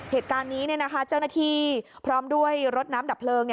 เหตุการณ์นี้เจ้าหน้าที่พร้อมด้วยรถน้ำดับเพลิง